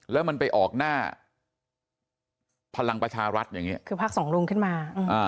แล้วมันไปออกหน้าพลังประชารัฐอย่างนี้คือภาคสองลุงขึ้นมา